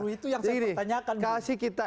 itu yang saya bertanyakan